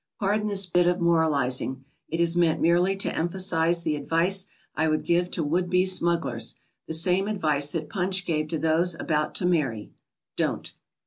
Pardon this bit of moralizing. It is meant merely to emphasize the advice I would give to would be smugglers, the same advice that Punch gave to those about to marry, — Don't.